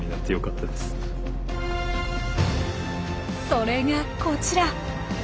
それがこちら。